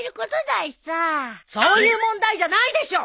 そういう問題じゃないでしょう！